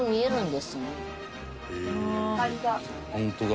「ホントだ。